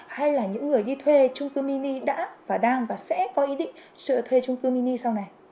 hay là những người đi thuê trung cư mini đã và đang và sẽ có ý định thuê trung cư mini sau này